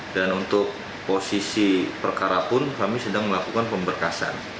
dan untuk posisi perkara pun kami sedang melakukan pemberkasan